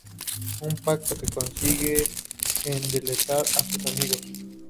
Un pacto que consiste en delatar a sus amigos.